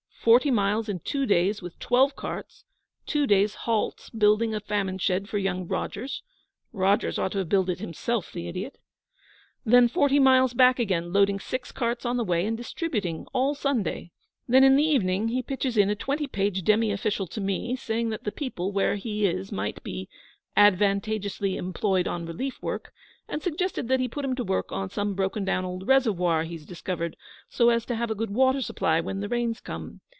Forty miles in two days with twelve carts; two days' halt building a famine shed for young Rogers (Rogers ought to have built it himself, the idiot!). Then forty miles back again, loading six carts on the way, and distributing all Sunday. Then in the evening he pitches in a twenty page demi official to me, saying that the people where he is might be "advantageously employed on relief work," and suggesting that he put 'em to work on some broken down old reservoir he's discovered, so as to have a good water supply when the Rains come.